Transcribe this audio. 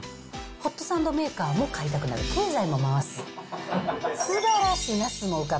ホットサンドメーカーも買いたくなる、経済も回す。